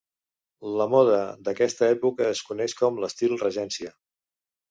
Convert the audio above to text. La moda d'aquesta època es coneix com l'estil regència.